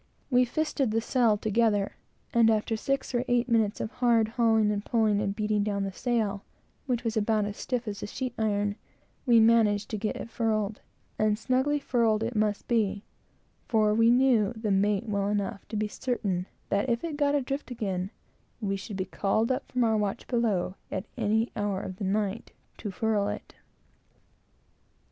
We fisted the sail together, and after six or eight minutes of hard hauling and pulling and beating down the sail, which was as stiff as sheet iron, we managed to get it furled; and snugly furled it must be, for we knew the mate well enough to be certain that if it got adrift again, we should be called up from our watch below, at any hour of the night, to furl it.